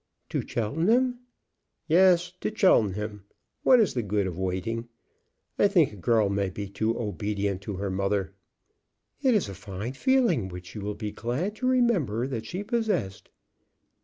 "To Cheltenham?" "Yes, to Cheltenham. What is the good of waiting. I think a girl may be too obedient to her mother." "It is a fine feeling, which you will be glad to remember that she possessed."